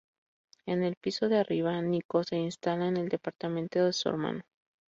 En el piso de arriba, Nico se instala en el departamento de su hermano.